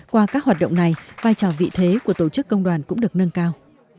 qua các hoạt động này vai trò vị thế của tổ chức công đoàn cũng được nâng cao